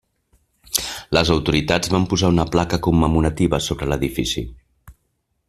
Les autoritats van posar una placa commemorativa sobre l'edifici.